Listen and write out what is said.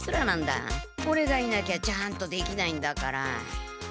オレがいなきゃちゃんとできないんだから。